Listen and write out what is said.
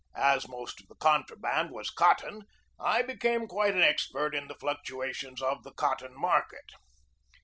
As most of the contraband was cotton, I became quite an expert in the fluctuations of the cotton market.